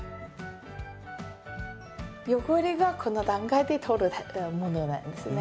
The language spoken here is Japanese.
汚れがこの段階で取れるものなんですね。